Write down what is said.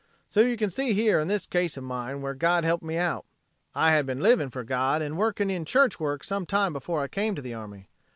"So you can see here in this case of mine where God helped me out. I had been living for God and working in church work sometime before I came to the army.